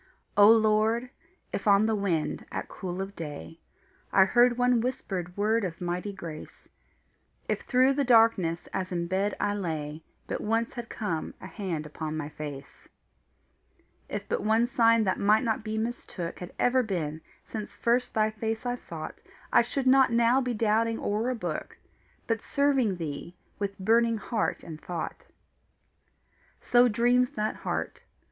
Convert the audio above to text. O Lord, if on the wind, at cool of day, I heard one whispered word of mighty grace; If through the darkness, as in bed I lay, But once had come a hand upon my face; If but one sign that might not be mistook, Had ever been, since first thy face I sought, I should not now be doubting o'er a book, But serving thee with burning heart and thought. So dreams that heart.